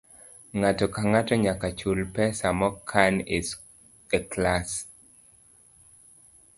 Ng'ato ka ng'ato nyaka chul pesa mokan e klas.